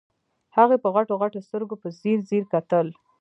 هغې په غټو غټو سترګو په ځير ځير کتل.